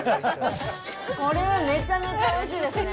これはめちゃめちゃおいしいですね。